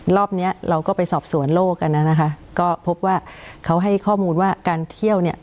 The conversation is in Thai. รอบเนี้ยเราก็ไปสอบสวนโลกกันน่ะนะคะก็พบว่าเขาให้ข้อมูลว่าการเที่ยวเนี่ย